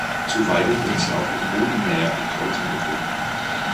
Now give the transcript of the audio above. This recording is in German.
Zuweilen wird sie auch in Bodennähe an Kräutern gefunden.